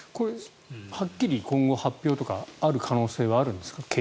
はっきり今後、発表とかある可能性はあるんですか？